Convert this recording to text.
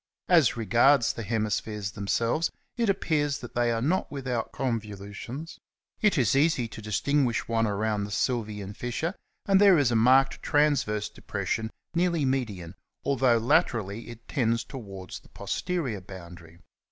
As regards the hemispheres them selves, it appears that they are not without convolutions ; it is easy to distinguish one around the Sylvian fissure, and there is a marked transverse depression nearly median, although laterally it tends towards the posterior boundary.